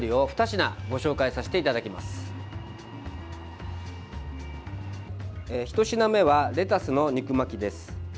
１品目はレタスの肉巻きです。